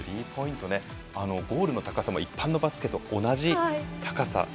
ゴールの高さも一般のバスケと同じ高さ。